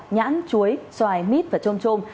nhãn chuối xoài mít và trôm trôm